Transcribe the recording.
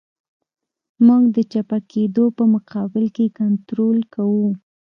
موږ د چپه کېدو په مقابل کې کنټرول کوو